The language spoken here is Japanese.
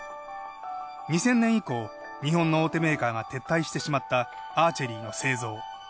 ２０００年以降日本の大手メーカーが撤退してしまったアーチェリーの製造。